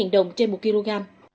năm mươi tám đồng trên một kg